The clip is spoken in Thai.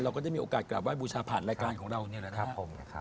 เราก็จะมีโอกาสกลับว่าบูชาผ่านรายการของเราเนี่ยแหละนะครับ